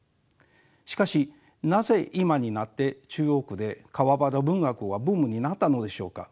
しかしなぜ今になって中国で川端文学がブームになったのでしょうか。